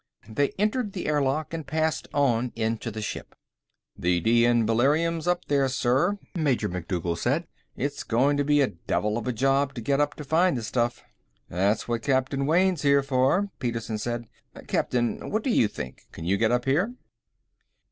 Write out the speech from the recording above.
They entered the airlock and passed on into the ship. "The D N beryllium up there, sir," Major MacDougal said. "It's going to be a devil of a job to get up to find the stuff." "That's what Captain Wayne's here for," Petersen said. "Captain, what do you think? Can you get up here?"